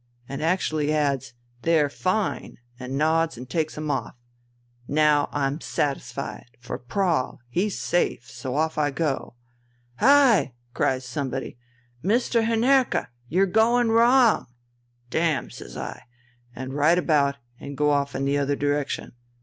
and actually adds: 'They're fine!' and nods and takes them off. Now I'm satisfied, for Prahl, he's safe, so off I go. 'Hi!' cries somebody. 'Mr. Hinnerke! You're going wrong!' 'Damn!' says I, and right about, and go off in the other direction.